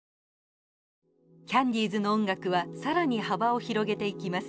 キャンディーズの音楽は更に幅を広げていきます。